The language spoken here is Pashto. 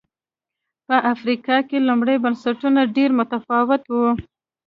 په افریقا کې لومړني بنسټونه ډېر متفاوت و.